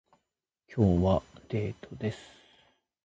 今日はデートです